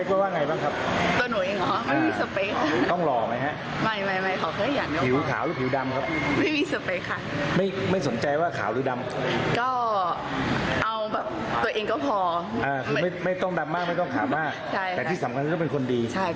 แต่ไม่ต้องดำมากไม่ต้องขามากแต่ที่สำคัญก็เป็นคนดีใช่